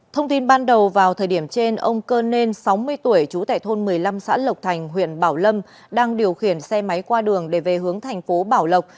thông tin ban đầu vào thời điểm trên ông cơ nên sáu mươi tuổi chú tại thôn một mươi năm xã lộc thành huyện bảo lâm đang điều khiển xe máy qua đường để về hướng thành phố bảo lộc